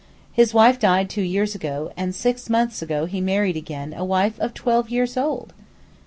His wife died two years ago, and six months ago he married again a wife of twelve years old!